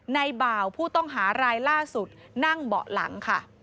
บ่าวผู้ต้องหารายล่าสุดนั่งเบาะหลังค่ะ